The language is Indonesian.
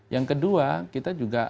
yang kedua kita juga